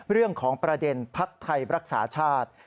เรื่องของประเด็นภักดิ์ไทยรักษาชาติ